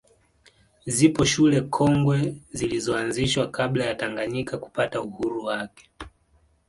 Zipo shule kongwe zilizoanzishwa kabla ya Tanganyika kupata uhuru wake